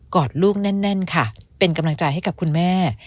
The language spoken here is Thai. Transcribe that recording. อดลูกแน่นค่ะเป็นกำลังใจให้กับคุณแม่